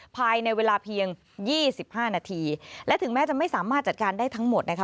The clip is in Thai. ภายในเวลาเพียงยี่สิบห้านาทีและถึงแม้จะไม่สามารถจัดการได้ทั้งหมดนะคะ